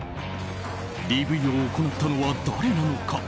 ＤＶを行ったのは誰なのか。